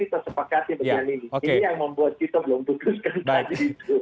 ini yang membuat kita belum putuskan